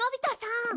ん？